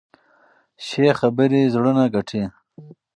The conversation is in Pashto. ښې خبرې زړونه ګټي.